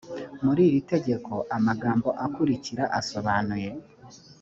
muri iri tegeko amagambo akurikira asobanuye